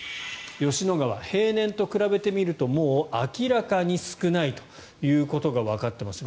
吉野川、平年と比べてみるともう明らかに少ないということがわかっています。